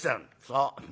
「そう。